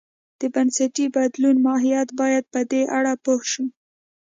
د بنسټي بدلونو ماهیت باید په دې اړه پوه شو.